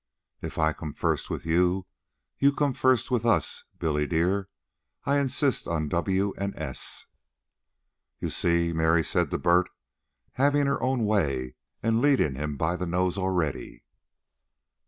"If I come first with you, you come first with us. Billy, dear, I insist on W and S." "You see," Mary said to Bert. "Having her own way and leading him by the nose already."